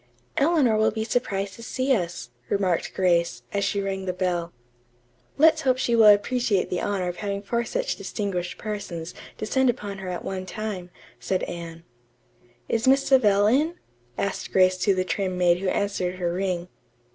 "Eleanor will be surprised to see us," remarked Grace, as she rang the bell. "Let's hope she will appreciate the honor of having four such distinguished persons descend upon her at one time," said Anne. "Is Miss Savell in?" asked Grace to the trim maid who answered her ring.